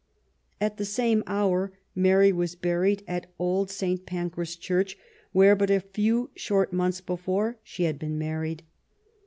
A.t the same hour Mary was buried at old Saint Pancras, the church where but a few short months before she had been married.